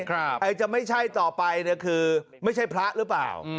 ไอ้จะไม่ใช่ต่อไปเนี่ยคือไม่ใช่พระหรือเปล่า